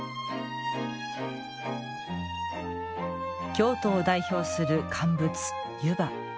京都を代表する乾物、湯葉。